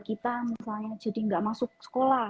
kita misalnya jadi nggak masuk sekolah